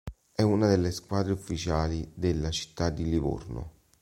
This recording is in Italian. È una delle squadre ufficiali della città di Livorno.